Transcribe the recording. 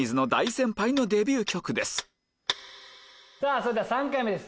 それでは３回目です